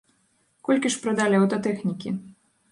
Колькі ж прадалі аўтатэхнікі?